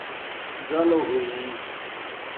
ژالُو ہوئ